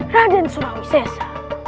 raden surawisah esa